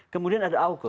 kemudian ada aukus